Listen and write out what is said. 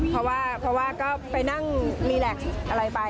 เพราะว่าก็ไปนั่งมีแล็กซ์อะไรไป